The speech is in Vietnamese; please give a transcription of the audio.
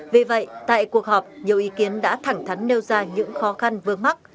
vì vậy tại cuộc họp nhiều ý kiến đã thẳng thắn nêu ra những khó khăn vương mắc